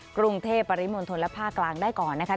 กรุงเทพปริมณฑลและภาคกลางได้ก่อนนะคะ